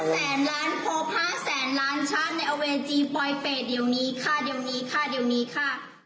ครบสี่แสนล้านชาติในจีปลอยเป็นเดี๋ยวนี้ค่ะ